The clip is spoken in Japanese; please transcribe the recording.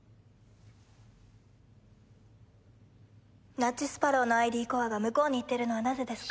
ナッジスパロウのＩＤコアが向こうに行っているのはなぜですか？